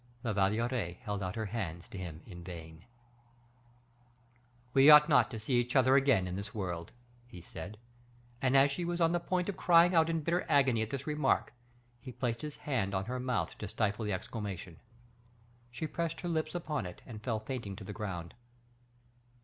La Valliere held out her hands to him in vain. "We ought not to see each other again in this world," he said, and as she was on the point of crying out in bitter agony at this remark, he placed his hand on her mouth to stifle the exclamation. She pressed her lips upon it, and fell fainting to the ground.